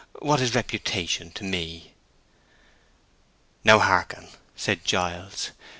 "What is reputation to me?" "Now hearken," said Giles.